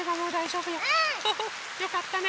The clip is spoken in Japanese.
よかったね。